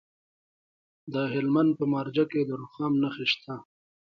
د هلمند په مارجه کې د رخام نښې شته.